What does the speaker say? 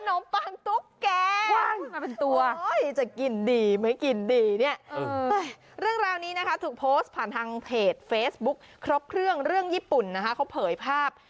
มปังตุ๊กแกงมาเป็นตัวจะกินดีไม่กินดีเนี่ยเรื่องราวนี้นะคะถูกโพสต์ผ่านทางเพจเฟซบุ๊คครบเครื่องเรื่องญี่ปุ่นนะคะเขาเผยภาพ